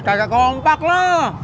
gak ada kompak lo